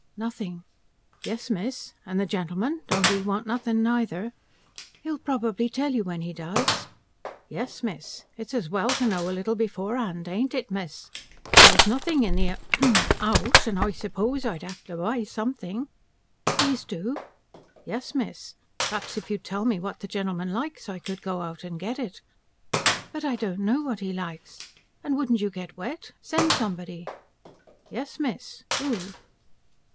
"Nothing." "Yes miss. And the gentleman don't he want nothing neither?" "He'll probably tell you when he does." "Yes miss. It's as well to know a little beforehand, ain't it, miss. There's nothing in the a hem 'ouse, and I suppose I'd have to buy something." "Please do." "Yes miss. Perhaps if you'd tell me what the gentleman likes I could go out and get it." "But I don't know what he likes. And wouldn't you get wet? Send somebody." "Yes miss. Who?"